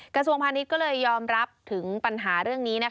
กระทรวงพาณิชย์ก็เลยยอมรับถึงปัญหาเรื่องนี้